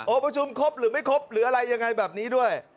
ประชุมครบหรือไม่ครบหรืออะไรยังไงแบบนี้ด้วย